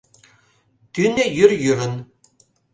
Тӱнӧ йӱр йӱрын.